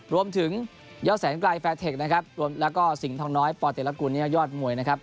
รวมถึงเยาะแสนไกรแฟร์เทคและสิงห์ทองน้อยปอร์เตฤรัตน์กูลยอดมวย